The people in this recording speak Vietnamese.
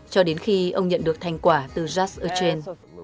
cho đến khi ông nhận được thành quả từ just earth chain